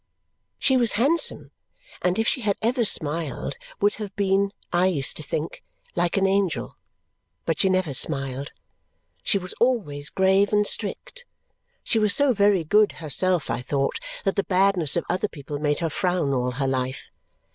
She was handsome; and if she had ever smiled, would have been (I used to think) like an angel but she never smiled. She was always grave and strict. She was so very good herself, I thought, that the badness of other people made her frown all her life.